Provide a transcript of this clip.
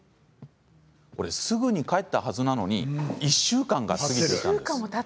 すぐに帰ったはずなのに１週間が過ぎていました。